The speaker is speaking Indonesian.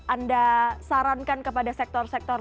anda sarankan kepada sektor sektor